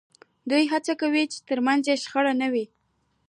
دوی هڅه کوي چې ترمنځ یې شخړه نه وي